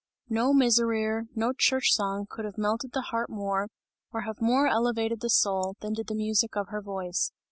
No Miserere, no church song could have melted the heart more, or have more elevated the soul, than did the music of her voice.